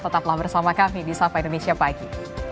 tetaplah bersama kami di sapa indonesia pagi